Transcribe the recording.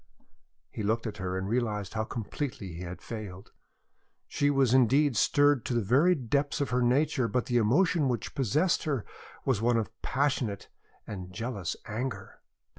He looked at her and realized how completely he had failed. She was indeed stirred to the very depths of her nature, but the emotion which possessed her was one of passionate and jealous anger.